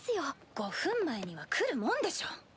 ５分前には来るもんでしょ。